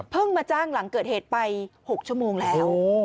มาจ้างหลังเกิดเหตุไป๖ชั่วโมงแล้ว